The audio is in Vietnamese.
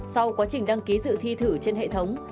sau quá trình đăng ký dự thi thử trên hệ thống